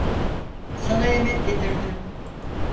Sana yemek getirdim.